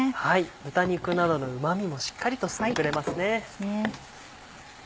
豚肉などのうま味もしっかりと吸ってくれますね。